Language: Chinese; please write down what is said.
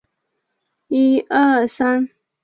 幼鱼常溯河入淡水河川。